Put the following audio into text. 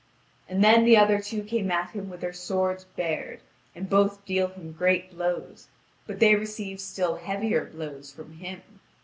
And then the other two came at him with their swords bared, and both deal him great blows, but they receive still heavier blows from him.